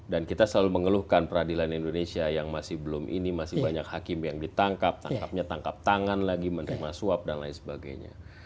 dan kita selalu mengeluhkan peradilan indonesia yang masih belum ini masih banyak hakim yang ditangkap tangkapnya tangkap tangan lagi menerima suap dan lain sebagainya